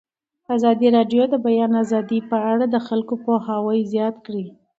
ازادي راډیو د د بیان آزادي په اړه د خلکو پوهاوی زیات کړی.